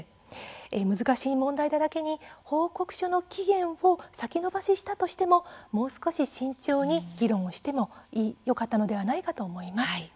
難しい問題なだけに報告書の期限を先延ばししたとしてももう少し慎重に議論をしてもよかったのではないかと思います。